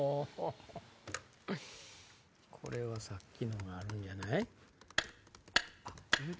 これはさっきのがあるんじゃない？